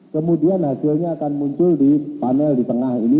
kemudian hasilnya akan muncul di panel di tengah ini